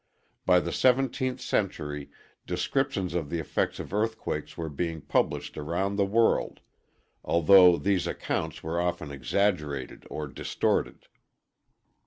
By the 17th century, descriptions of the effects of earthquakes were being published around the worldŌĆöalthough these accounts were often exaggerated or distorted.